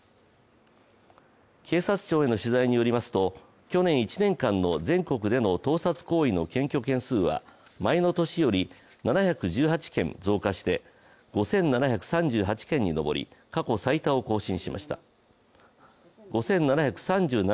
警察庁への取材によりますと去年１年間の全国での盗撮行為の検挙件数は前の年より７１８件増加して５７３８件に上り過去最多を更新しました。